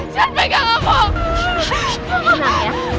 sean pegang aku